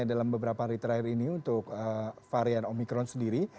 dalam beberapa hari terakhir ini untuk varian omikron sendiri